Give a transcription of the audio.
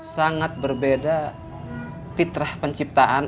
sangat berbeda fitrah penciptaan